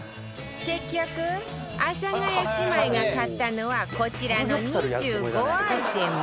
結局阿佐ヶ谷姉妹が買ったのはこちらの２５アイテム